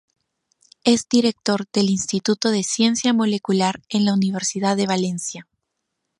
Es director del Instituto de Ciencia Molecular en la Universidad de Valencia.